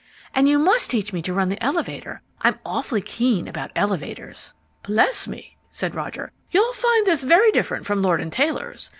And you must teach me to run the elevator. I'm awfully keen about elevators." "Bless me," said Roger, "You'll find this very different from Lord and Taylor's!